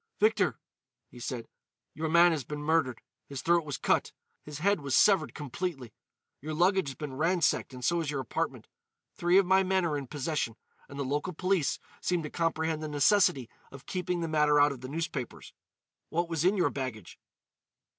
"Victor," he said, "your man has been murdered. His throat was cut; his head was severed completely. Your luggage has been ransacked and so has your apartment. Three of my men are in possession, and the local police seem to comprehend the necessity of keeping the matter out of the newspapers. What was in your baggage?"